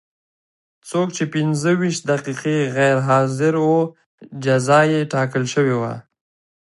څوک چې پنځه ویشت دقیقې غیر حاضر و جزا یې ټاکل شوې وه.